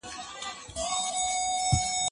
پاکوالی وکړه!.